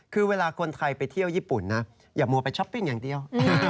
คือเวลาคนไทยไปเที่ยวญี่ปุ่นนะอย่ามัวไปช้อปปิ้งอย่างเดียว